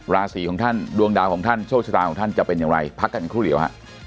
ราศีของท่านดวงดาวของท่านโชคชะตาของท่านจะเป็นอย่างไรพักกันครู่เดียวฮะ